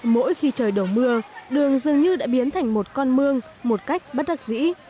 mỗi khi trời đầu mưa đường dường như đã biến thành một con mương một cách bất đắc dĩ